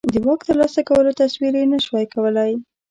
د واک ترلاسه کولو تصور یې نه شوای کولای.